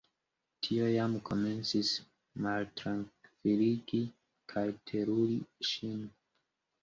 Tio jam komencis maltrankviligi kaj teruri ŝin.